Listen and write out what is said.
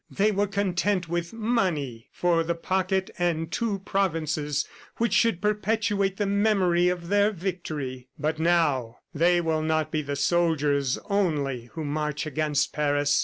They were content with money for the pocket and two provinces which should perpetuate the memory of their victory. ... But now they will not be the soldiers only who march against Paris.